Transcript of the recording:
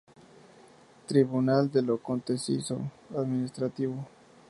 Tribunal de lo Contencioso Administrativo